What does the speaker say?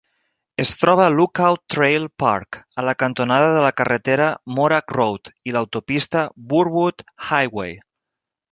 Es troba a Lookout Trail Park, a la cantonada de la carretera Morack Road i l'autopista Burwood Highway.